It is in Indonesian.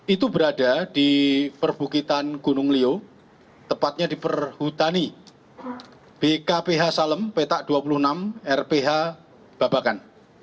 itu berada di perbukitan gunung lio tepatnya di perhutani bkph salem petak dua puluh enam rph babakan